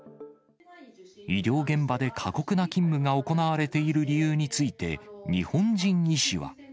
医療現場で過酷な勤務が行われている理由について、日本人医師は。